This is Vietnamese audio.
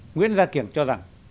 nguyễn gia kiểm cho rằng